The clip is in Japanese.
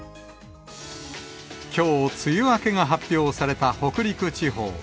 きょう、梅雨明けが発表された北陸地方。